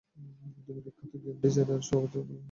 দুনিয়া বিখ্যাত game designer হওয়ার অনুভূতিটা কেমন?